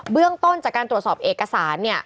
เบื้องต้นจากการตรวจสอบเอกสาร